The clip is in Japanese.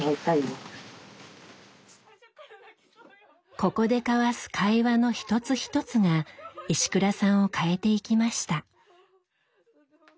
ここで交わす会話の一つ一つが石倉さんを変えていきました。